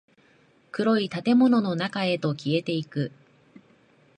暗い建物の中へと消えていく。